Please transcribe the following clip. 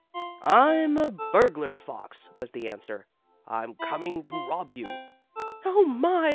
"I'm a burglar fox!" was the answer. "I'm coming to rob you." "Oh, my!"